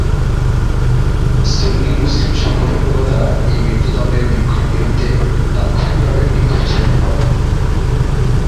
সুন্নী মুসলিম সংগঠন গুলো দ্বারা এই মৃত্যুদণ্ডের বিরুদ্ধে তাৎক্ষণিক ভাবে বিক্ষোভ ছড়িয়ে পরে।